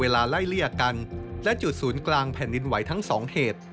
และจุดศูนย์กลางแผ่นดินไหวทั้งสองเหตุ